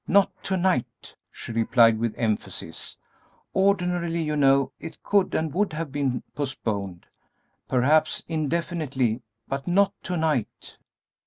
"Not to night," she replied, with emphasis; "ordinarily, you know, it could and would have been postponed, perhaps indefinitely, but not to night!"